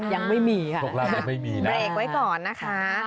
ยังไม่มีค่ะเบรกไว้ก่อนนะคะ